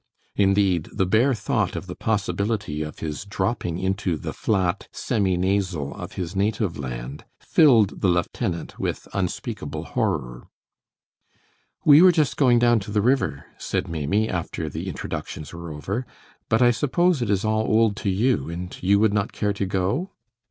Indeed, the bare thought of the possibility of his dropping into the flat, semi nasal of his native land filled the lieutenant with unspeakable horror. "We were just going down to the river," said Maimie, after the introductions were over, "but I suppose it is all old to you, and you would not care to go?"